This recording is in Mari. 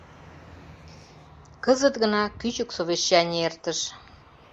Кызыт гына кӱчык совещаний эртыш.